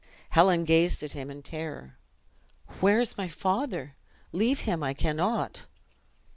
Helen gazed at him in terror. "Where is my father? Leave him I cannot."